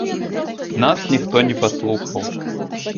Нас ніхто не паслухаў.